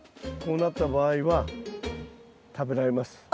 こうなった場合は食べられます。